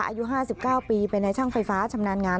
อายุ๕๙ปีเป็นนายช่างไฟฟ้าชำนาญงาน